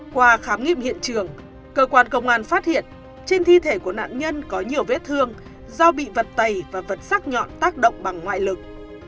qua khám nghiệm hiện trường cơ quan công an phát hiện trên thi thể của nạn nhân có nhiều vết thương do bị vật tày và vật sắc nhọn tác động bằng ngoại lực